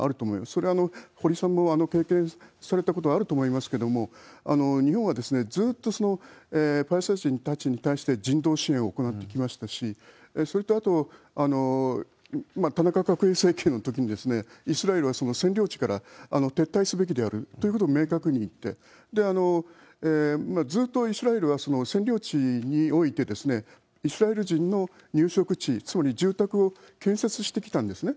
それは堀さんも経験されたことがあると思いますけれども、日本はずっとパレスチナ人たちに対して人道支援を行ってきましたし、それと、あと、田中角栄政権のときに、イスラエルは占領地から撤退すべきであるということを明確に言って、ずーっとイスラエルは占領地において、イスラエル人の入植地、つまり住宅を建設してきたんですね。